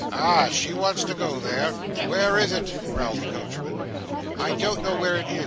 "Ah! She wants to go there! WHERE IS IT?" growled the coachman. "I don't know where it is!"